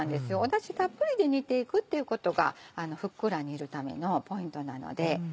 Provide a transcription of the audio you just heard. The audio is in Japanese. だしたっぷりで煮ていくっていうことがふっくら煮るためのポイントなので。